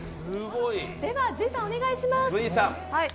では、隋さん、お願いします。